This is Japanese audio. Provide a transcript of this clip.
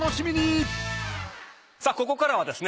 ここからはですね